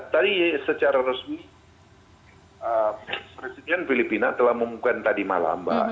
tadi secara resmi presiden filipina telah mengumumkan tadi malam mbak